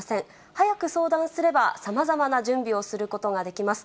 早く相談すれば、さまざまな準備をすることができます。